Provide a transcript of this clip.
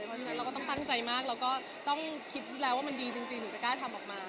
เพราะฉะนั้นเราก็ต้องตั้งใจมากเราก็ต้องคิดแล้วว่ามันดีจริงถึงจะกล้าทำออกมา